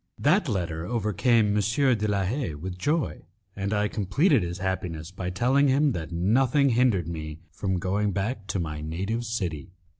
That letter overcame M. de la Haye with joy, and I completed his happiness by telling him that nothing hindered me from going back to my native city.